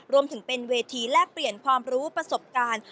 รวมถึงเป็นเวทีแลกเปลี่ยนความรู้ประสบการณ์